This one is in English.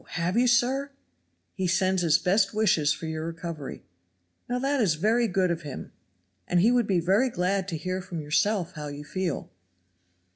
have you, sir?" "He sends his best wishes for your recovery." "Now that is very good of him." "And he would be very glad to hear from yourself how you feel."